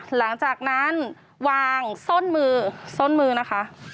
หลังจากนั้นวางส้นมือส้นมือนะคะ